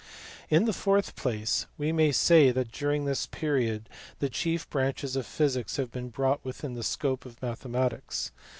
In the fourth place, we may say that during this period the chief branches of physics have been brought within the scope of mathematics.